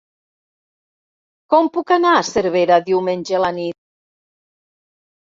Com puc anar a Cervera diumenge a la nit?